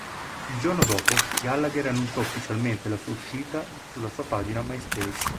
Il giorno dopo Gallagher annunciò ufficialmente la sua uscita sulla sua pagina Myspace.